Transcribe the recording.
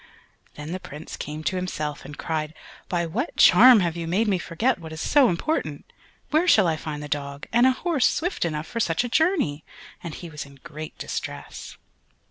Then the Prince came to himself, and cried, "By what charm have you made me forget what is so important? Where shall I find the dog, and a horse swift enough for such a journey?" And he was in great distress.